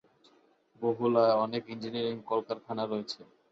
বহুলায় অনেক ইঞ্জিনিয়ারিং কলকারখানা রয়েছে।